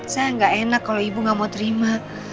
saya nggak enak kalau ibu nggak mau terima